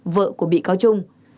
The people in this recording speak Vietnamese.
vợ của bị cáo trung